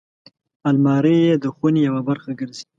الماري د خونې یوه برخه ګرځي